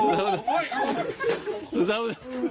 ทางเท้า